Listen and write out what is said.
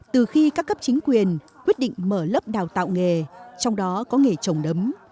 từ khi các cấp chính quyền quyết định mở lớp đào tạo nghề trong đó có nghề trồng đấm